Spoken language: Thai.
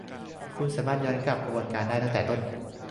คุณสามารถย้อนกลับกระบวนการได้ตั้งแต่ต้น